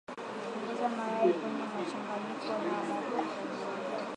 Ongeza mayai kwenye mchanganyiko wa mafuta na sukari na kukoroga